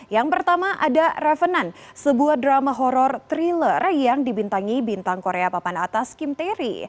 yang pertama ada revenant sebuah drama horror thriller yang dibintangi bintang korea papanatas kim tae ri